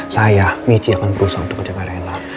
saya michi akan berusaha untuk jagain rina